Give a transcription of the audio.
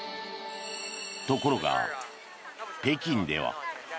ところが、北京では。